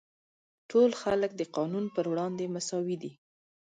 ټول خلک د قانون پر وړاندې مساوي دي.